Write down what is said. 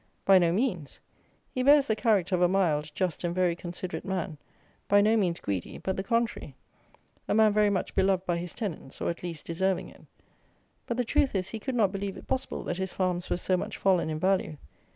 By no means. He bears the character of a mild, just, and very considerate man, by no means greedy, but the contrary. A man very much beloved by his tenants; or, at least, deserving it. But the truth is, he could not believe it possible that his farms were so much fallen in value.